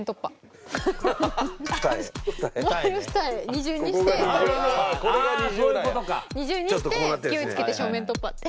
二重にして勢いつけて正面突破。